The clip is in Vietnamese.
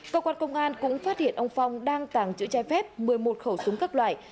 cơ quan công an cũng phát hiện ông phong đang tàng trữ trái phép một mươi một khẩu súng các loại